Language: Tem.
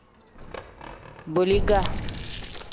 Boliga.